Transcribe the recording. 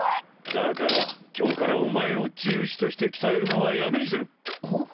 だから今日からお前を治癒士として鍛えるのはやめにするはっ？